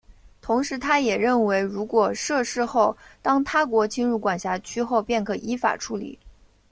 同时他也认为如果设市后当他国侵入管辖区后便可依法处理。